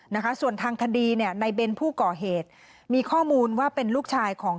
นะคะส่วนทางคดีเนี่ยในเบนผู้ก่อเหตุมีข้อมูลว่าเป็นลูกชายของ